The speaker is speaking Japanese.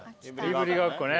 いぶりがっこね。